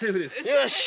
よし！